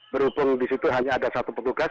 berhubung di situ hanya ada satu petugas